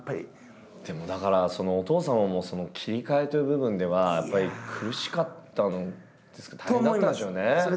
でもだからお父様もその切り替えという部分ではやっぱり苦しかったんですかね大変だったんでしょうね。と思います。